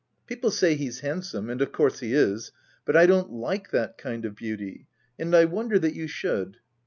" People say he's handsome, and of course he is, but / don't like that kind of beauty ; and I wonder that you should."